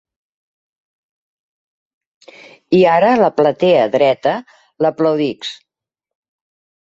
I ara la platea dreta l’aplaudix.